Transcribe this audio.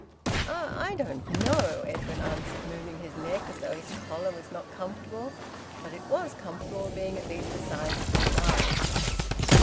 "I I don't know," Edwin answered, moving his neck as though his collar was not comfortable; but it was comfortable, being at least a size too large.